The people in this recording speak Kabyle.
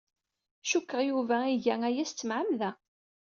Cikkeɣ Yuba iga aya s tmeɛmada.